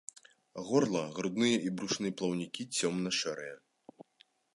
Горла, грудныя і брушныя плаўнікі цёмна-шэрыя.